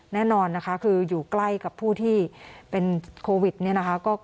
แน่นอนนะคะคืออยู่ใกล้กับผู้ที่เป็นโควิดเนี่ยนะคะ